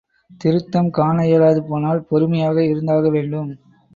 திருத்தம் காண இயலாது போனால், பொறுமையாக இருந்தாக வேண்டும்.